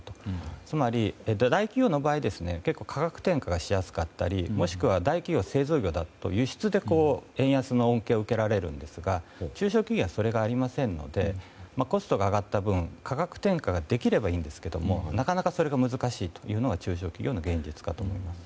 つまり、大企業の場合結構、価格転嫁しやすかったりもしくは大企業、製造業だと輸出で円安の恩恵を受けられるんですが中小企業はそれがありませんのでコストが上がった分価格転嫁ができればいいんですがなかなかそれが難しいというのが中小企業の現実かと思います。